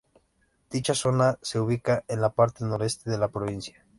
Dicha zona se ubica en la parte noreste de la provincia.